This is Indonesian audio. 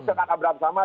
siapa abraham sama